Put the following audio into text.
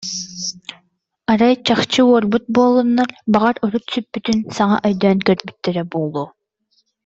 Арай, чахчы, уорбут буоллуннар, баҕар, урут сүппүтүн саҥа өйдөөн көрбүттэрэ буолуо